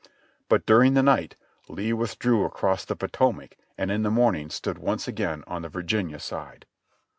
But during the night Lee withdrew across the Potomac and in the morning stood once again on the Vir ginia side.